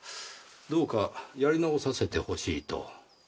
どうかやり直させてほしいと。